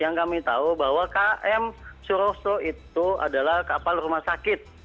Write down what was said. yang kami tahu bahwa km suroso itu adalah kapal rumah sakit